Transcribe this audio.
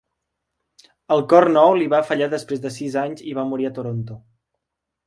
El cor nou li va fallar després de sis anys i va morir a Toronto.